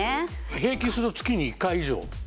平均すると月に１回以上ですよ。